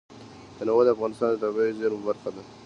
تنوع د افغانستان د طبیعي زیرمو برخه ده.